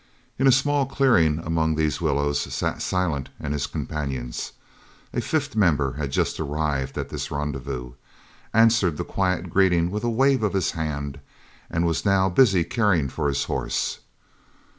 In a small clearing among these willows sat Silent and his companions. A fifth member had just arrived at this rendezvous, answered the quiet greeting with a wave of his hand, and was now busy caring for his horse.